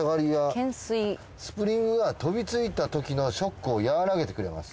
スプリングは飛びついたときのショックを和らげてくれます。